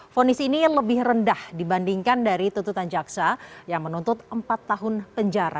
fonis ini lebih rendah dibandingkan dari tututan jaksa yang menuntut empat tahun penjara